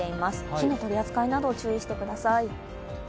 火の取り扱いなど注意してください